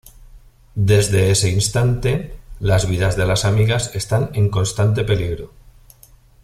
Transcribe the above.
Desde ese instante, las vidas de las amigas están en constante peligro.